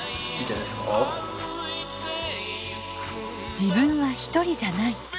自分は一人じゃない。